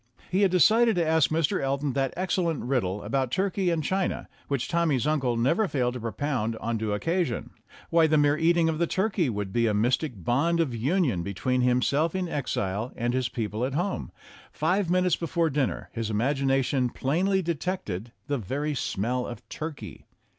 He had decided to ask Mr. Elton that excellent riddle about Turkey and China, which Tommy's uncle never failed to propound on due occasion. Why, the mere no STORIES WITHOUT TEARS eating of the turkey would be a mystic bond of union between himself in exile and his people at home. Five minutes before dinner his imagination plainly detected the very smell of turkey.